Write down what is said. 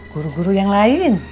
guru guru yang lain